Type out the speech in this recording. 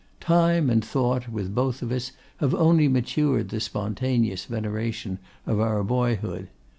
Time and thought, with both of us, have only matured the spontaneous veneration of our boyhood.